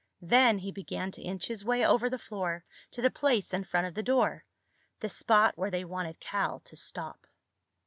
Then he began to inch his way over the floor to the place in front of the door—the spot where they wanted Cal to stop.